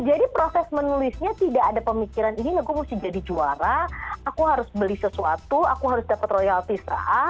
jadi proses menulisnya tidak ada pemikiran ini gue harus jadi juara aku harus beli sesuatu aku harus dapat royaltis